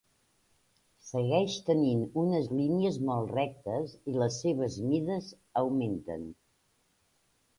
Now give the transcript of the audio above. Segueix tenint unes línies molt rectes i les seves mides augmenten.